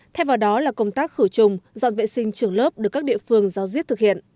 thay vào đó là công tác khử trùng dọn vệ sinh trường lớp được các địa phương giáo diết thực hiện